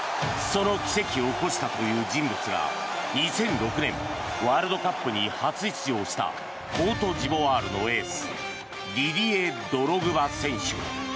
その奇跡を起こしたという人物が２００６年ワールドカップに初出場したコートジボワールのエースディディエ・ドログバ選手。